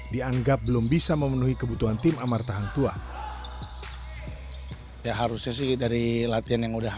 dianggap belum bisa memenuhi kebutuhan tim amarta hangtua